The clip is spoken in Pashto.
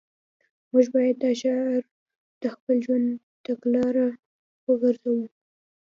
موږ باید دا شعار د خپل ژوند تګلاره وګرځوو